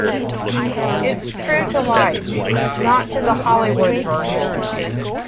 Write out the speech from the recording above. It's true to life, not to the Hollywood version.